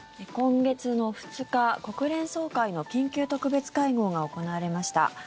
今月の２日、国連総会の緊急特別会合が行われました。